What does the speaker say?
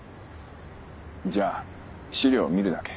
じゃあ資料見るだけ。